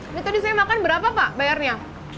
ini tuh disini makan berapa pak bayarnya